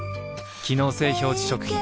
機能性表示食品